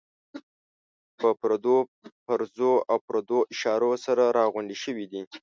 په پردو پرزو او پردو اشارو سره راغونډې شوې دي.